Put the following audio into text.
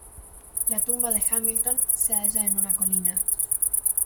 La tumba de Hamilton se halla en una colina.